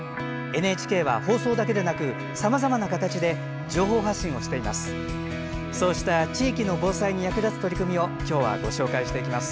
ＮＨＫは、放送だけでなくさまざまな形で情報発信をしています。